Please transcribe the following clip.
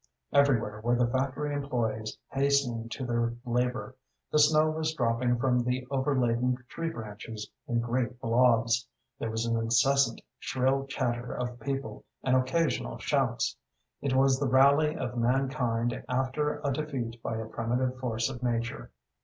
Everywhere were the factory employés hastening to their labor; the snow was dropping from the overladen tree branches in great blobs; there was an incessant, shrill chatter of people, and occasional shouts. It was the rally of mankind after a defeat by a primitive force of nature.